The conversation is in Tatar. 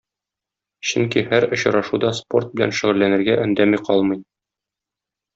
Чөнки һәр очрашуда спорт белән шөгыльләнергә өндәми калмый.